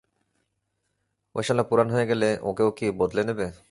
ওই শালা পুরান হয় গেলে, ওকেও কি বদলে নেবে?